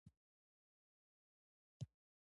چې پیالې تقسیمېدلې زه ویده وم.